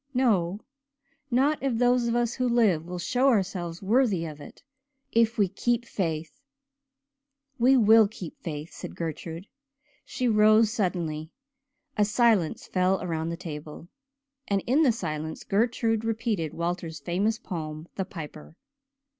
"No not if those of us who live will show ourselves worthy of it if we 'keep faith.'" "We will keep faith," said Gertrude. She rose suddenly. A silence fell around the table, and in the silence Gertrude repeated Walter's famous poem "The Piper."